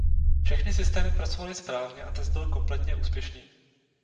Všechny systémy pracovaly správně a test byl kompletně úspěšný.